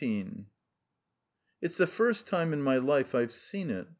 XIX "It's the first time in my life I've seen it!